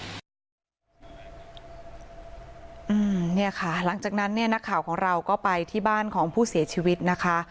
เนี่ยค่ะหลังจากนั้นเนี่ยนักข่าวของเราก็ไปที่บ้านของผู้เสียชีวิตนะคะ